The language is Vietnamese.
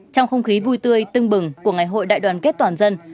trong không khí vui tươi tưng bừng của ngày hội đại đoàn kết toàn dân